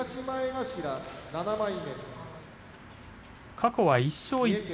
過去は１勝１敗。